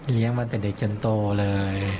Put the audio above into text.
เลี้ยงมาตั้งแต่เด็กจนโตเลย